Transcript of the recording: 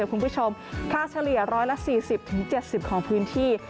คุณผู้ชมค่าเฉลี่ย๑๔๐๗๐ของพื้นที่